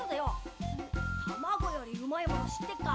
卵よりうまいもの知ってっか？